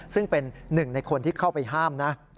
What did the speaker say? ซึ่งเป็นหนึ่งในคนที่เข้าไปห้ามนะ